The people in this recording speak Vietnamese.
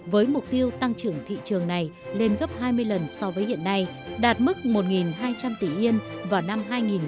với mục tiêu tăng trưởng thị trường này lên gấp hai mươi lần so với hiện nay đạt mức một hai trăm linh tỷ yên vào năm hai nghìn một mươi